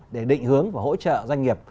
để định hướng và hỗ trợ doanh nghiệp